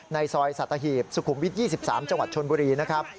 ในซอยสัตหีบสุขุมวิท๒๓จังหวัดชนบุรีนะครับ